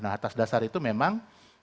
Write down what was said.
nah atas dasar itu memang